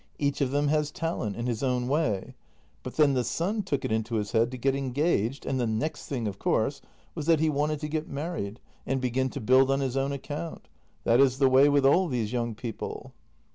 Each of them has talent in his own way. But then the son took it into his head to get engaged; and the next thing, of course, was that he wanted to get married — and begin to build on his own account. That is the way with all these young people.